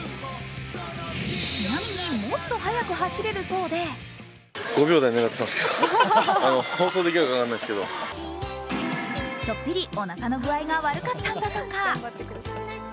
ちなみにもっと速く走れるそうでちょっぴりおなかの具合が悪かったんだとか。